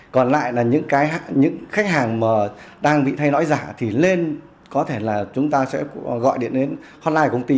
còn lại là những cái khách hàng mà đang bị thay đổi giả thì lên có thể là chúng ta sẽ gọi điện đến hotline của công ty